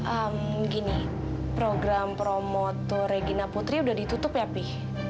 hmm gini program promo tuh regina putri udah ditutup ya pi